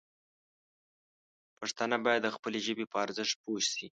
پښتانه باید د خپلې ژبې په ارزښت پوه شي.